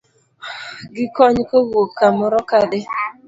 Gi kony kowuok kamoro kadhi